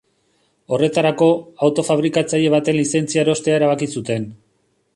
Horretarako, auto-fabrikatzaile baten lizentzia erostea erabaki zuten.